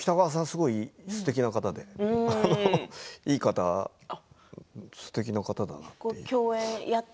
すごいすてきな方でいい方すてきな方だなって。